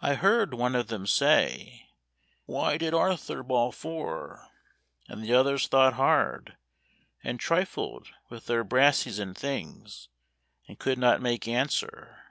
I heard one of them say "Why did Arthur Bawl Fore?" And the others thought hard, And trifled with their brassies and things, And could not make answer.